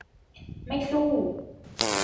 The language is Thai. ไม่สู้